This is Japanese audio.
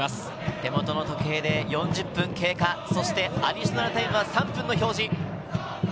手元の時計で４０分経過、アディショナルタイムは３分の表示。